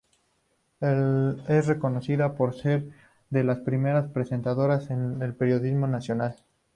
Es reconocida por ser de las primeras presentadoras en el periodismo nacional.